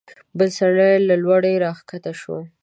بل سړی له لوړې راکښته شو.